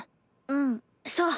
うんそう。